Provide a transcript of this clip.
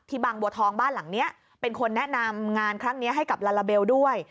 บางบัวทองบ้านหลังนี้เป็นคนแนะนำงานครั้งนี้ให้กับลาลาเบลด้วย